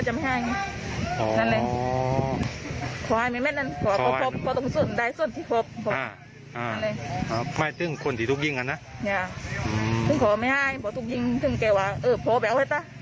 อะงั้นเลยต้องขอไม่ให้บอกถูกยิงต้องแกว่าโภวเปรียวให้ซะ